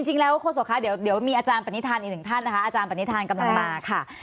ค่ะจริงแล้วโฆษกะเดี๋ยวมีอาจารย์ปนิทานอีกหนึ่งท่านนะคะอาจารย์ปนิทานกำลังมาค่ะ